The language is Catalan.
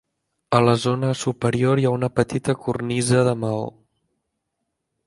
A la zona superior hi ha una petita cornisa de maó.